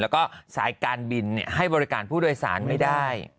แล้วก็สายการบินให้บริการผู้โดยสารไม่ได้